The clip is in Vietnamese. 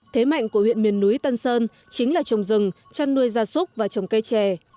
thế mạnh của huyện miền núi tân sơn chính là trồng rừng chăn nuôi gia súc và trồng cây trè